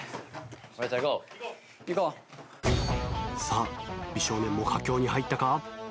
さあ美少年も佳境に入ったか？